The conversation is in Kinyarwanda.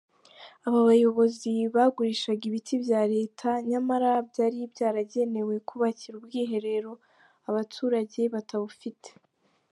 Aba bayobozi bagurishaga ibiti bya Leta nyamara byari byaragenewe kubakira ubwiherero abaturage batabufite.